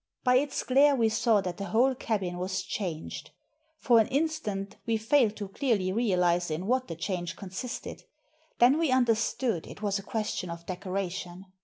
By its glare we saw that the whole cabin was changed. For an instant we failed to clearly realise in what the change consisted. Then we understood it was a question of decoration.